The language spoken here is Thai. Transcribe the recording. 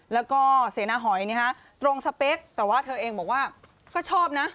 แล้วก็เสนาหอยตรงสเปคแต่ว่าเธอเองบอกว่าก็ชอบนะ